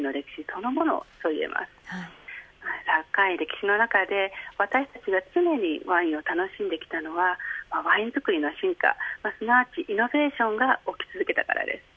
長い歴史の中で、私たちが常にワインを楽しんできたのはワイン造りの進化すなわちイノベーションが起き続けたからです。